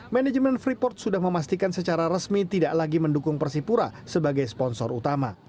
manajemen freeport sudah memastikan secara resmi tidak lagi mendukung persipura sebagai sponsor utama